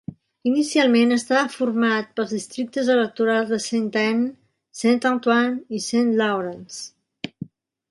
Inicialment, estava format pels districtes electorals de Saint Anne, Saint Antoine i Saint Lawrence.